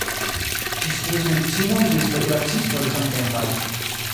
Ŝi studis medicinon disde kuracistoj samtempaj.